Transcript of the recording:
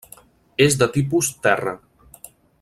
És de tipus terra.